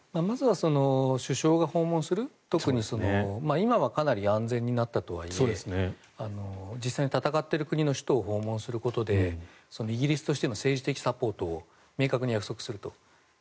まずは首相が訪問する今はかなり安全になったとはいえ実際に戦っている国の首都を訪問することでイギリスとしての政治的サポートを明確に約束すると。